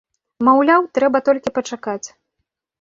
Маўляў, трэба толькі пачакаць.